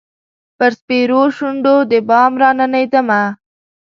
پر سپیرو شونډو د بام راننېدمه